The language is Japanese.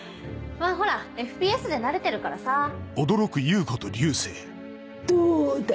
まぁほらＦＰＳで慣れてるからさどうだ！